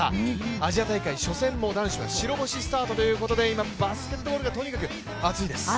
アジア大会初戦も男子は白星スタートということで、今、バスケットボールがとにかく熱いです。